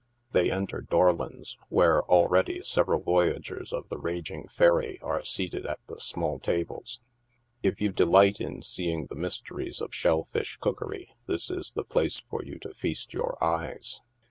They enter Dorlon's, where already several voyagers of the raging ferry are seated at the small tables. If you delight in seeing the mysteries of shell fish cookery, this is the place for you to feast your eyes.